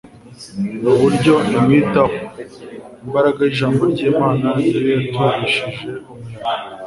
n’uburyo imwitaho; imbaraga y’Ijambo ry’Imana niyo yaturishije umuyaga.